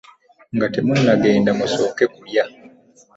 Nga temunnagenda musooke kulya.